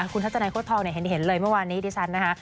คุณทัศนายโฆษภองเห็นเลยเมื่อวานนี้ที่ฉันนะฮะ